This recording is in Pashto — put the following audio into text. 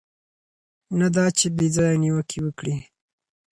نه دا چې بې ځایه نیوکې وکړي.